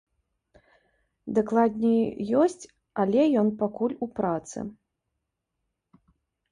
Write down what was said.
Дакладней, ёсць, але ён пакуль у працы.